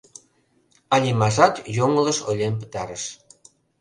Алимажат йоҥылыш ойлен пытарыш.